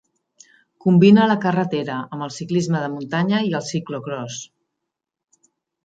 Combina la carretera amb el ciclisme de muntanya i el ciclocròs.